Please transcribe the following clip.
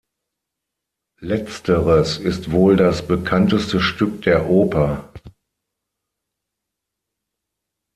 Letzteres ist wohl das bekannteste Stück der Oper.